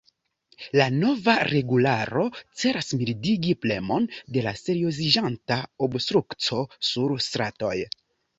La nova regularo celas mildigi premon de la serioziĝanta obstrukco sur stratoj.